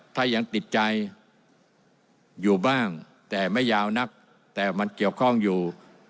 ถ้ายังติดใจอยู่บ้างแต่ไม่ยาวนักแต่มันเกี่ยวข้องอยู่